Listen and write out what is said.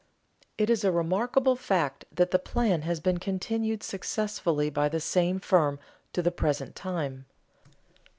It is a remarkable fact that the plan has been continued successfully by the same firm to the present time.